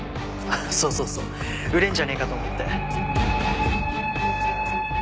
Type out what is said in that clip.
そうそうそう売れんじゃねえかと思って。